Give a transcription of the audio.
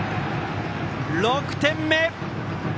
６点目！